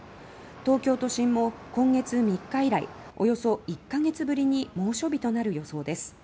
東京都心も今月３日以来およそ１か月ぶりに猛暑日となる予想です。